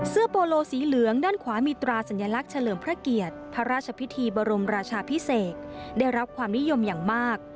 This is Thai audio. โปโลสีเหลืองด้านขวามีตราสัญลักษณ์เฉลิมพระเกียรติพระราชพิธีบรมราชาพิเศษได้รับความนิยมอย่างมาก